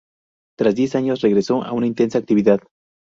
Tras diez años, regresó a una intensa actividad.